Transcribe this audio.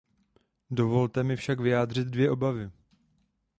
Dovolte mi však vyjádřit dvě obavy.